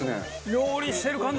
料理してる感じ！